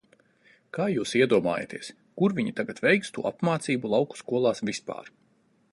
Kā jūs iedomājaties, kur viņi tagad veiks to apmācību lauku skolās vispār?